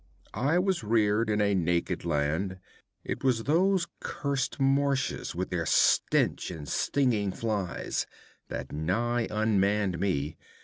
I was reared in a naked land. It was those cursed marshes, with their stench and stinging flies, that nigh unmanned me.